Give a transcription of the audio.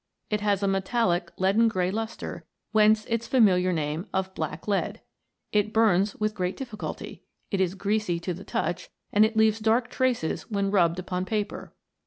It has a metallic leaden grey lustre, whence its familiar name of black lead. It burns with great difficulty ; it is greasy to the touch, and it leaves dark traces when rubbed upon paper.